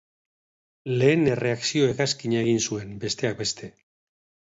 Lehen erreakzio-hegazkina egin zuen, besteak beste.